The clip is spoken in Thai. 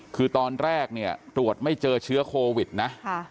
คือตอนแรกเนี่ยตรวจไม่เจอเชื้อโควิดนะ